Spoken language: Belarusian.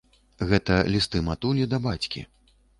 Гэта лісты матулі да бацькі.